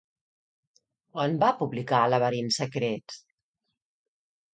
Quan va publicar Laberints secrets?